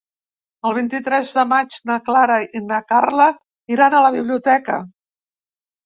El vint-i-tres de maig na Clara i na Carla iran a la biblioteca.